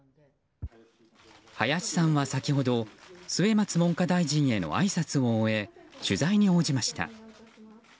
林さんは先ほど末松文科大臣へのあいさつを終え取材に応じました。